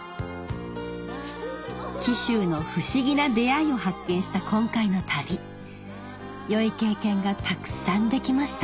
紀州の不思議な出会いを発見した今回の旅良い経験がたくさんできました